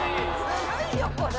ずるいよこれ。